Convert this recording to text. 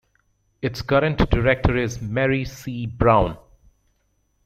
Its current director is Mary C. Brown.